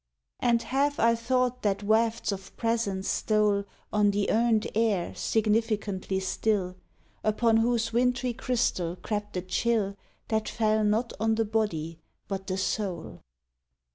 And half I thought that wafts of presence stole On the urned air significantly still, Upon whose wintry crystal crept a chill That fell not on the body but the soul.